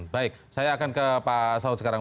baik saya akan ke pak saud sekarang